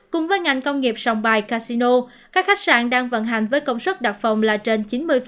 cùng với ngành công nghiệp sòng bài casino các khách sạn đang vận hành với công suất đặt phòng là trên chín mươi